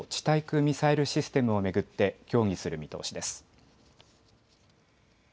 対空ミサイルシステムを巡って協議する見通しです。